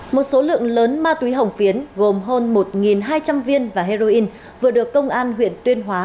một số lượng lớn ma túy hồng phiến gồm hơn một hai trăm linh viên và heroin vừa được công an huyện tuyên hóa